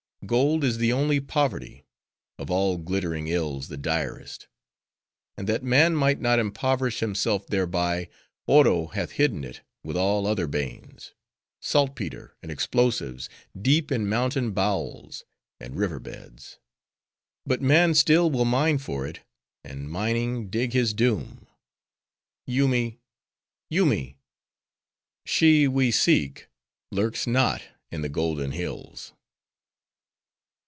Gold is the only poverty; of all glittering ills the direst. And that man might not impoverish himself thereby, Oro hath hidden it, with all other banes,—saltpeter and explosives, deep in mountain bowels, and river beds. But man still will mine for it; and mining, dig his doom.— Yoomy, Yoomy!—she we seek, lurks not in the Golden Hills!"